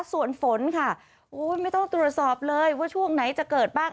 ส่วนฝนค่ะโอ้ยไม่ต้องตรวจสอบเลยว่าช่วงไหนจะเกิดบ้าง